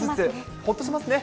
ほっとしますね。